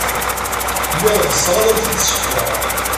Lliɣ ɣseɣ ad am-t-id-ssekneɣ.